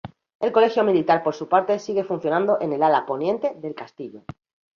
El colegio militar por su parte sigue funcionando en el ala poniente del Castillo.